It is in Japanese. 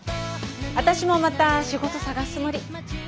私もまた仕事探すつもり。